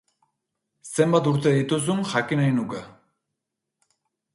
Zenbat urte dituzun jakin nahi nuke.